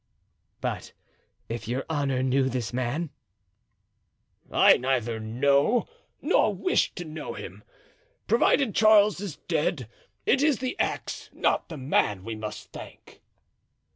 "But if your honor knew this man?" "I neither know nor wish to know him. Provided Charles is dead, it is the axe, not the man, we must thank."